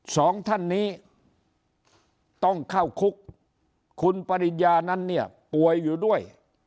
สองท่านนี้ต้องเข้าคุกคุณปริญญานั้นเนี่ยป่วยอยู่ด้วย